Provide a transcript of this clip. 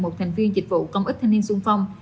một thành viên dịch vụ công ích thanh niên sung phong